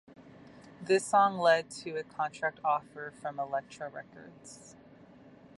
This song led to a contract offer from Elektra Records.